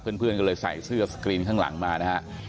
เพื่อนก็เลยใส่เสื้อสกรีนข้างหลังมานะฮะ